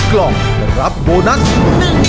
ภายในเวลา๓นาที